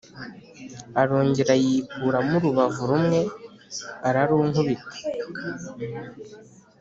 arongera yikuramo urubavu rumwe, ararunkubita